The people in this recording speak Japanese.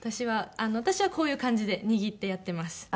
私はこういう感じで握ってやってます。